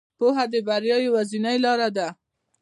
پوهه د بریا یوازینۍ لاره ده.